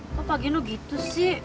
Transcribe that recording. kok pak gino gitu sih